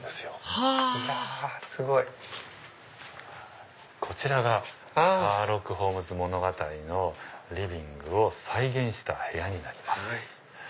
はぁこちらが『シャーロック・ホームズ』物語のリビングを再現した部屋になります。